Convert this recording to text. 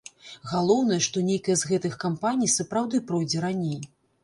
Галоўнае, што нейкая з гэтых кампаній сапраўды пройдзе раней.